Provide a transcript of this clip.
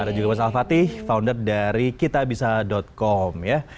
ada juga mas al fatih founder dari kitabisa com ya